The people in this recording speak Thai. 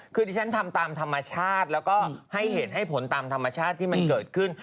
คือที่ฉันทำตามธรรมชาติแล้วก็ให้เหตุให้ผลตามธรรมชาติที่มันเกิดขึ้น